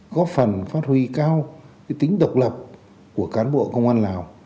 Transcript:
góp phần phát huy cao tính độc lập của cán bộ công an lào